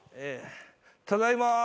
ただいま。